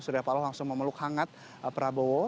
surya paloh langsung memeluk hangat prabowo